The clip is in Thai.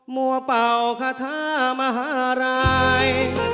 มัวเป่าคาถามหาราย